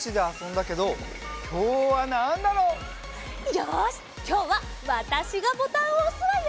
よしきょうはわたしがボタンをおすわよ！